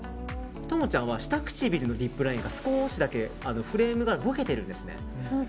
朋ちゃんは下唇のリップラインが少しだけフレームがぼけてるんですね。